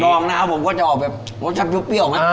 ลองนะครับผมก็จะออกแบบรสชาติเปรี้ยวไหม